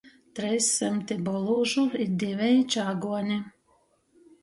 Treis symti bolūžu i diveji čāguoni.